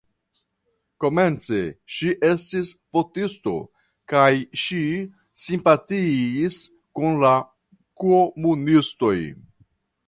Komence ŝi estis fotisto kaj ŝi simpatiis kun la komunistoj.